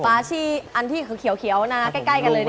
ฝาชีอันที่เขาเขียวนะใกล้กันเลยเนี่ยนะ